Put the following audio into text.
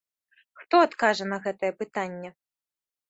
Хто адкажа на гэтае пытанне?